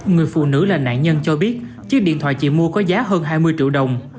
người phụ nữ là nạn nhân cho biết chiếc điện thoại chị mua có giá hơn hai mươi triệu đồng